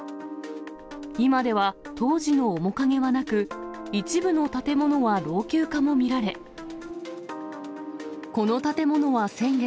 今では当時の面影はなく、一部の建物は老朽化も見られ、この建物は先月、